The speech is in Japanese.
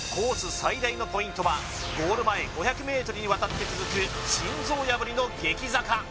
最大のポイントはゴール前５００ｍにわたって続く心臓破りの激坂